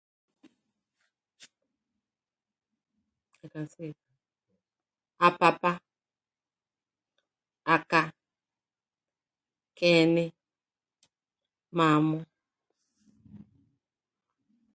Kerrigan also had spells in charge of Westmeath and Cavan.